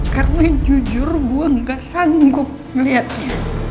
karena jujur gue gak sanggup ngeliatnya